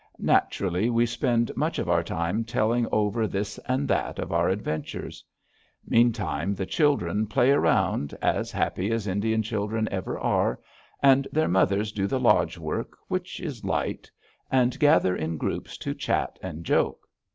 Naturally, we spend much of our time telling over this and that of our adventures. Meantime the children play around, as happy as Indian children ever are, and their mothers do the lodge work, which is light, and gather in groups to chat and joke.